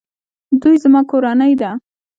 دوی زما کورنۍ ده